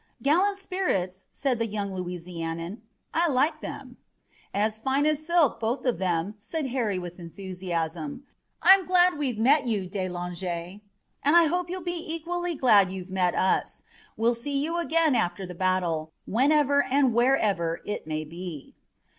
"Gallant spirits," said the young Louisianian. "I like them." "As fine as silk, both of them," said Harry with enthusiasm. "I'm glad we've met you, de Langeais, and I hope you'll be equally glad you've met us. We'll see you again after the battle, whenever and wherever it may be."